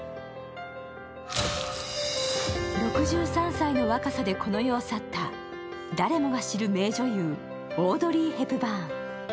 ６３歳の若さでこの世を去った誰もが知る名女優、オードリー・ヘプバーン。